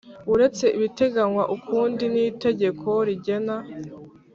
Uretse ibiteganywa ukundi n itegeko rigena